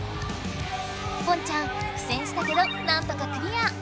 ポンちゃん苦戦したけどなんとかクリア！